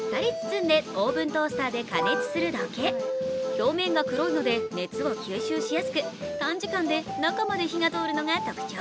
表面が黒いので、熱を吸収しやすく短時間で中まで火が通るのが特徴。